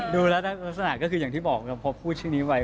ดูแล้วลักษณะก็คืออย่างที่บอกเราพอพูดชื่อนี้ไว้